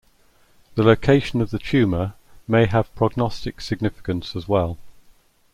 The location of the tumor may have prognostic significance as well.